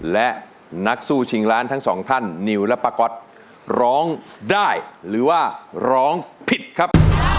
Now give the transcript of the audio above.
และนักสู้ชิงล้านทั้งสองท่านนิวและป้าก๊อตร้องได้หรือว่าร้องผิดครับ